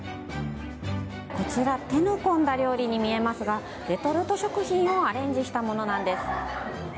こちら、手の込んだ料理に見えますがレトルト食品をアレンジしたものなんです。